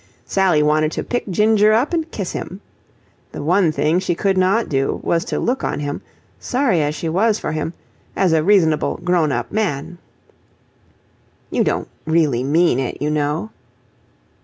Sally wanted to pick Ginger up and kiss him. The one thing she could not do was to look on him, sorry as she was for him, as a reasonable, grown up man. "You don't really mean it, you know."